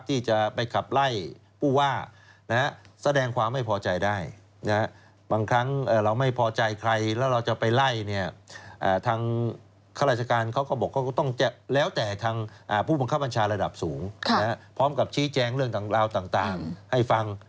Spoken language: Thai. ที่จะไปขับไล่ผู้ว่าแสดงความไม่พอใจได้